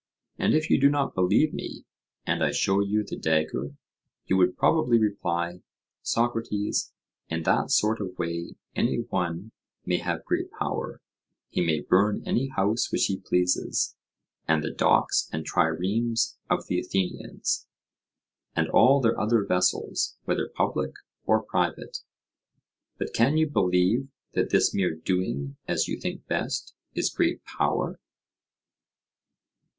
And if you do not believe me, and I show you the dagger, you would probably reply: Socrates, in that sort of way any one may have great power—he may burn any house which he pleases, and the docks and triremes of the Athenians, and all their other vessels, whether public or private—but can you believe that this mere doing as you think best is great power?